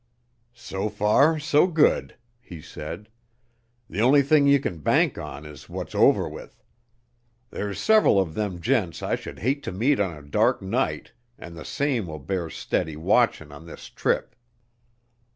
"So far, so good," he said. "The only thing you can bank on is what's over with. There's several of them gents I should hate to meet on a dark night, an' the same will bear steady watchin' on this trip."